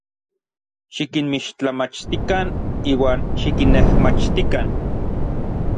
Xikinmixtlamachtikan iuan xikinnejmachtikan.